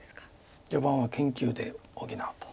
序盤は研究で補うと。